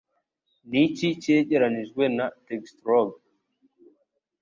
Niki cyegeranijwe na Tegestologue?